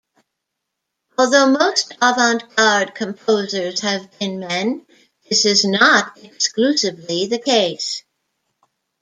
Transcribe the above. Although most avant-garde composers have been men, this is not exclusively the case.